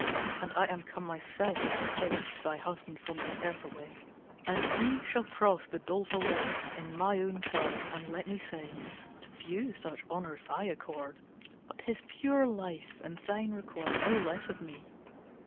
"And I am come myself to take Thy husband from this earth away, And he shall cross the doleful lake In my own charge, and let me say To few such honours I accord, But his pure life and thine require No less from me."